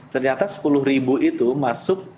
ternyata sepuluh ribu itu masuk